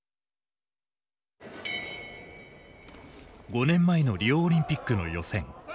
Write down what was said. ５年前のリオオリンピックの予選。